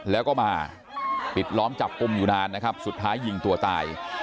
แล้วก็มาปิดล้อมจับกลุ่มอยู่นานนะครับสุดท้ายยิงตัวตาย